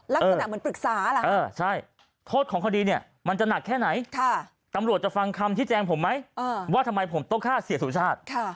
ลักษณะเหมือนปรึกษาเหรอใช่โทษของคดีเนี่ยมันจะหนักแค่ไหนตำรวจจะฟังคำที่แจ้งผมไหมว่าทำไมผมต้องฆ่าเสียสุชาติ